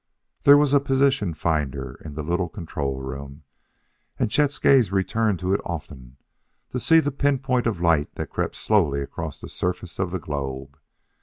There was a position finder in the little control room, and Chet's gaze returned to it often to see the pinpoint of light that crept slowly across the surface of a globe.